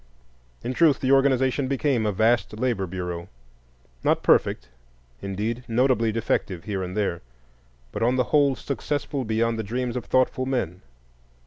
In truth, the organization became a vast labor bureau,—not perfect, indeed, notably defective here and there, but on the whole successful beyond the dreams of thoughtful men.